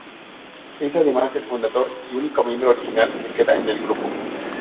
Es además el fundador y único miembro original que queda en el grupo.